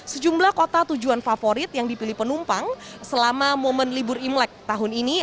sejumlah kota tujuan favorit yang dipilih penumpang selama momen libur imlek tahun ini